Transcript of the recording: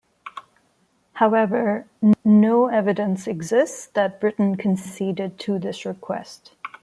However, no evidence exists that Britain conceded to this request.